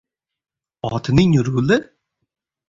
— Otning ruli?